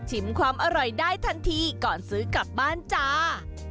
ความอร่อยได้ทันทีก่อนซื้อกลับบ้านจ้า